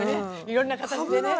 いろんな形でね。